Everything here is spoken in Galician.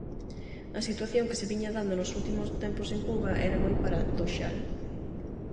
A situación que se viña dando nos últimos tempos en Cuba era moi paradoxal.